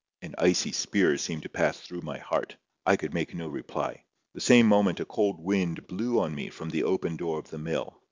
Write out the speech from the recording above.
An icy spear seemed to pass through my heart. I could make no reply. The same moment a cold wind blew on me from the open door of the mill.